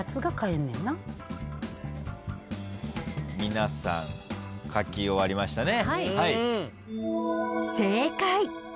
皆さん書き終わりましたね。